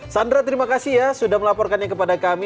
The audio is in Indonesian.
sandra terima kasih ya sudah melaporkannya kepada kami